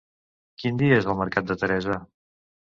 Quin dia és el mercat de Teresa?